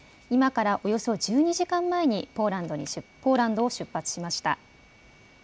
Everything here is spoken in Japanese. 今からおよそ１２時間前にポーランドを出発しました。